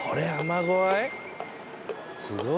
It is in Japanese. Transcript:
すごいね。